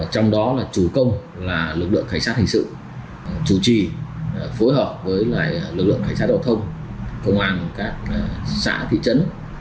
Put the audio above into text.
trong đó là chủ công là lực lượng khảnh sát hình sự chủ trì phối hợp với lực lượng khảnh sát đồng thông công an các xã thị trấn